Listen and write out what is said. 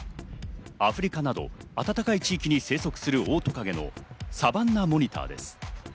アフリカなど暖かい地域に生息するオオトカゲのサバンナモニターです。